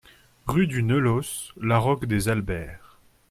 Rue du Neulos, Laroque-des-Albères